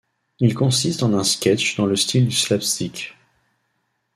Il consiste en un sketch dans le style du slapstick.